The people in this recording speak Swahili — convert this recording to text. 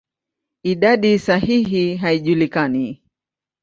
Idadi sahihi haijulikani.